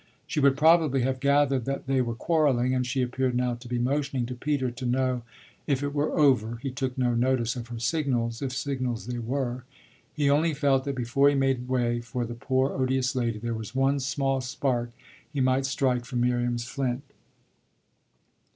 She would probably have gathered that they were quarrelling, and she appeared now to be motioning to Peter to know if it were over. He took no notice of her signals, if signals they were; he only felt that before he made way for the poor, odious lady there was one small spark he might strike from Miriam's flint.